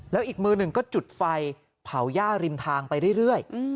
แล้วอีกมือหนึ่งก็จุดไฟเผาย่าริมทางไปเรื่อย